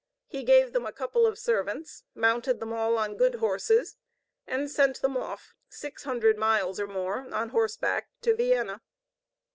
He gave them a couple of servants, mounted them all on good horses, and sent them off six hundred miles or more on horseback to Vienna.